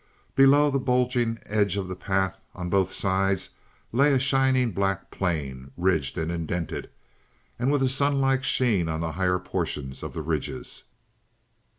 Below the bulging edges of the path, on both sides, lay a shining black plain, ridged and indented, and with a sunlike sheen on the higher portions of the ridges.